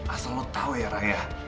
asal lo tau ya raya